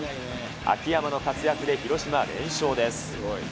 秋山の活躍で広島、連勝です。